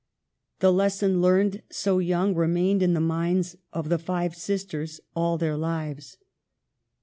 The lesson learned so young remained in the minds of the five sis ters all their lives.